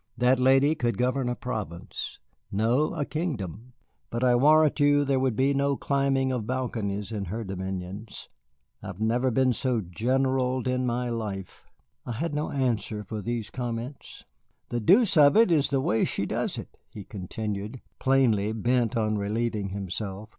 That lady could govern a province, no, a kingdom. But I warrant you there would be no climbing of balconies in her dominions. I have never been so generalled in my life." I had no answer for these comments. "The deuce of it is the way she does it," he continued, plainly bent on relieving himself.